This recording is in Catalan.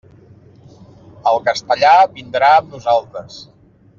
El castellà vindrà amb nosaltres.